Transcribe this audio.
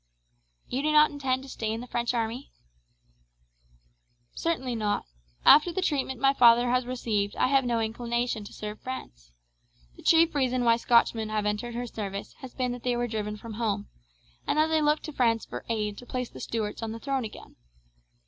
"You do not intend to stay in the French army?" "Certainly not. After the treatment my father has received I have no inclination to serve France. The chief reason why Scotchmen have entered her service has been that they were driven from home, and that they looked to France for aid to place the Stuarts on the throne again.